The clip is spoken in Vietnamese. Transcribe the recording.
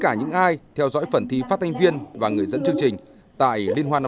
và những ai theo dõi phần thí phát thanh viên và người dẫn chương trình tại liên hoan năm nay